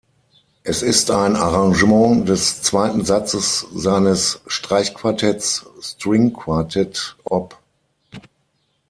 Es ist ein Arrangement des zweiten Satzes seines Streichquartetts "String Quartet op.